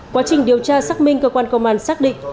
quá trình điều tra xác minh cơ quan công an xác định